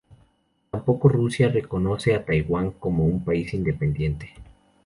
Tampoco Rusia reconoce a Taiwán como un país independiente.